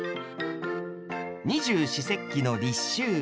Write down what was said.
二十四節気の立秋。